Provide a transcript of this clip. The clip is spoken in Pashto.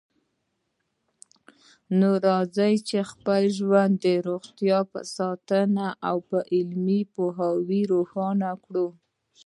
نو راځئ چې خپل ژوند د روغتیا په ساتنه او علمي پوهاوي روښانه کړو